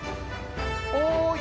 おい！